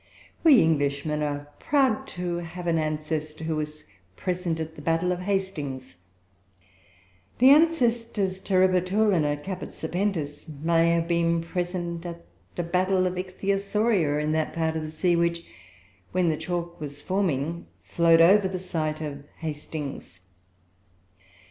We Englishmen are proud to have an ancestor who was present at the Battle of Hastings. The ancestors of Terebratulina caput serpentis may have been present at a battle of Ichthyosauria in that part of the sea which, when the chalk was forming, flowed over the site of Hastings.